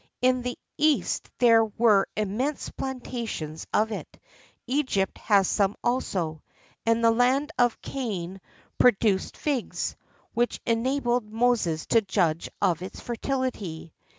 [XIII 42] In the East there were immense plantations of it; Egypt had some also;[XIII 43] and the land of Canaan produced figs, which enabled Moses to judge of its fertility.